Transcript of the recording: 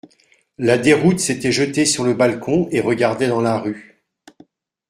La Déroute s'était jeté sur le balcon et regardait dans la rue.